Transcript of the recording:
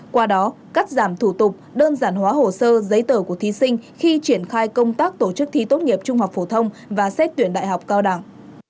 qua đó cắt giảm thủ tục đơn giản hóa hồ sơ giấy tờ của thí sinh khi triển khai công tác tổ chức thi tốt nghiệp trung học phổ thông và xét tuyển đại học cao đẳng